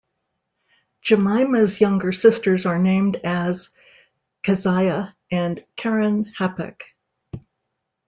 Jemima's younger sisters are named as Keziah and Keren-Happuch.